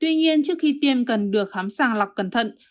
tuy nhiên trước khi tiêm cần được khám sàng lọc cẩn thận